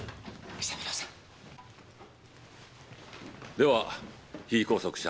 では被拘束者